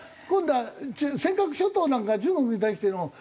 今度は尖閣諸島なんか中国に対しての。